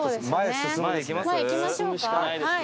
進むしかないですね。